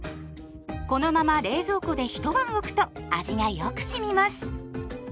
このまま冷蔵庫で一晩おくと味がよく染みます。